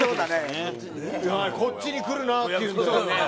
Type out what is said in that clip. こっちにくるなっていうので。